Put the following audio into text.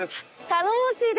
頼もしいです！